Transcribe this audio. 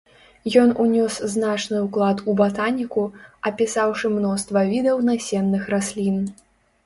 Ён унёс значны ўклад у батаніку, апісаўшы мноства відаў насенных раслін.